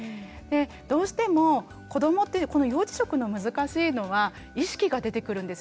どうしても子どもってこの幼児食の難しいのは意識が出てくるんですよね。